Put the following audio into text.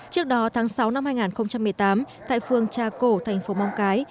trước đó tháng sáu năm hai nghìn một mươi tám tại phương trà cổ thành phố mong cái